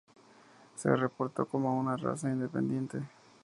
Se reportó como una raza independiente.